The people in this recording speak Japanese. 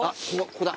ここだ。